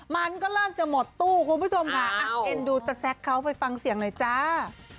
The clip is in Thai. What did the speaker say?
มันก็เริ่มจะหมดตู้คุณผู้ชมค่ะเอ็นดูตะแซคเขาไปฟังเสียงหน่อยจ้า